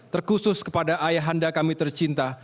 terkhusus kepada ayahanda kami tercinta